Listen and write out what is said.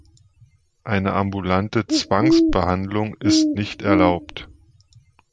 Eine ambulante Zwangsbehandlung ist nicht erlaubt.